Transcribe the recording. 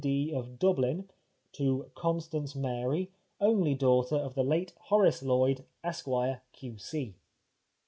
D., of Dublin, to Constance Mary, only daughter of the late Horace Lloyd, Esq. Q.C."